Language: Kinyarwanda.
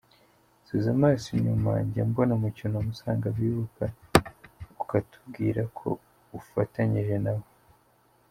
Subiza amaso inyuma, njya mbona mu cyunamo usanga abibuka, ukatubwira ko ufatanyije na bo!